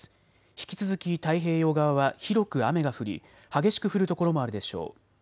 引き続き太平洋側は広く雨が降り激しく降る所もあるでしょう。